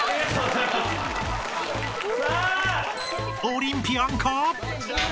［オリンピアンか？］